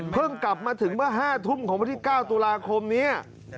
กลับมาถึงเมื่อ๕ทุ่มของวันที่๙ตุลาคมนี้